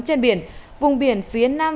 trên biển vùng biển phía nam